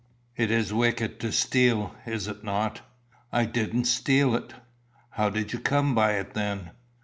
"It is wicked to steal, is it not?" "I didn't steal it." "How did you come by it, then?"